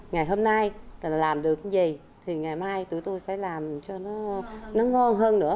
ngày hôm nay làm được cái gì thì ngày mai tụi tôi phải làm cho nó ngon hơn nữa